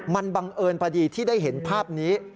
มันบังเอิญพอดีที่ได้เห็นภาพนี้